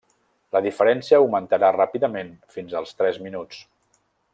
La diferència augmentà ràpidament fins als tres minuts.